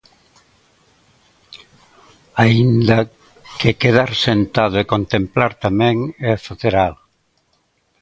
Aínda que quedar sentado e contemplar tamén é facer algo.